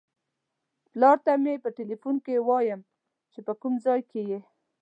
پلار ته مې په ټیلیفون کې وایم چې په کوم ځای کې یې.